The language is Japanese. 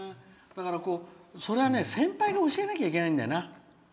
それはね先輩が教えなきゃいけないんだよな。